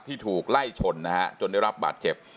ถูกไล่ชนนะฮะจนได้รับบาดเจ็บ